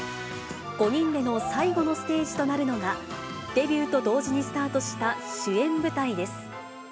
５人での最後のステージとなるのが、デビューと同時にスタートした主演舞台です。